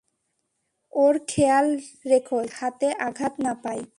ওর খেয়াল রেখো যাতে হাতে আঘাত না পায়।